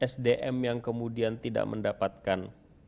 sdm yang kemudian tidak mendapatkan